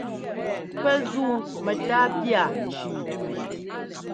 Pɛ́ zúu mɛtáa pía cʉʉ.